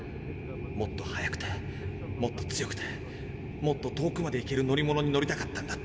「もっと速くてもっと強くてもっと遠くまで行ける乗り物に乗りたかったんだ」